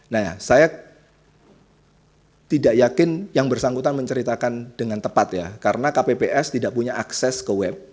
nah saya tidak yakin yang bersangkutan menceritakan dengan tepat ya karena kpps tidak punya akses ke web